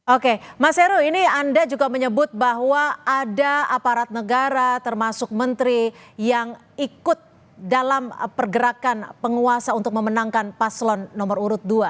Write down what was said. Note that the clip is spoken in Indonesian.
oke mas heru ini anda juga menyebut bahwa ada aparat negara termasuk menteri yang ikut dalam pergerakan penguasa untuk memenangkan paslon nomor urut dua